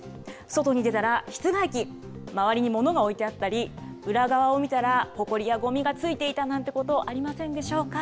外に出たら、室外機、周りに物が置いてあったり、裏側を見たら、ほこりやごみがついていたなんてこと、ありませんでしょうか。